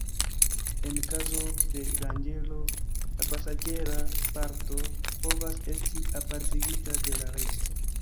En kazo de danĝero la pasaĝera parto povas esti apartigita de la resto.